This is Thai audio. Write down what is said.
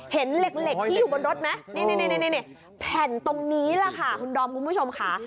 เห็นเหล็กที่อยู่บนรถไหมนี่แผ่นตรงนี้แหละค่ะคุณดอมคุณผู้ชมค่ะ